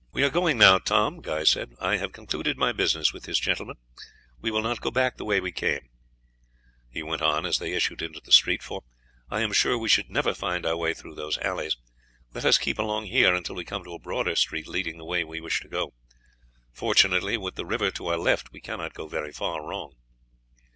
"We are going now, Tom," Guy said. "I have concluded my business with this gentleman. We will not go back the way we came," he went on, as they issued into the street, "for I am sure we should never find our way through those alleys. Let us keep along here until we come to a broader street leading the way we wish to go; fortunately, with the river to our left, we cannot go very far wrong."